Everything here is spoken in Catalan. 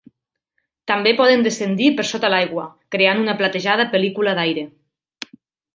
També poden descendir per sota l'aigua creant una platejada pel·lícula d'aire.